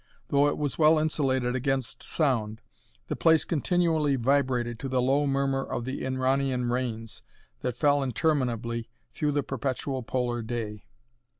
Though it was well insulated against sound, the place continually vibrated to the low murmur of the Inranian rains that fell interminably through the perpetual polar day.